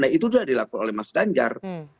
nah itu sudah dilakukan oleh mas ganjar